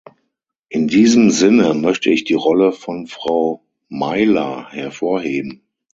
In diesem Sinne möchte ich die Rolle von Frau Myller hervorheben.